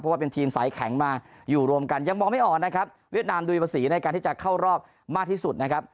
เพราะว่าเป็นทีมสายแข็งมาอยู่รวมกันยังมองไม่ออกนะครับเวียดนามดูมีภาษีในการที่จะเข้ารอบมากที่สุดนะครับ